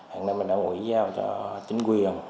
hàng năm đảng quỹ giao cho chính quyền